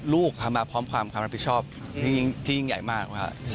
ลูกทำมาพร้อมความรับผิดชอบที่ยิ่งใหญ่มากนะครับ